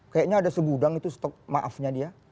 kayaknya ada segudang itu stok maafnya dia